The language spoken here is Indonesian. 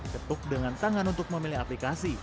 ketuk dengan tangan untuk memilih aplikasi